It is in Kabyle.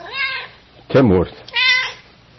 D tamurt.